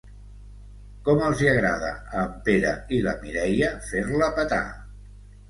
Com els hi agrada a en Pere i la Mireia fer-la petar.